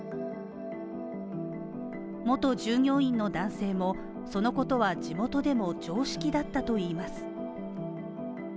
元従業員の男性もそのことは地元でも常識だったといいます。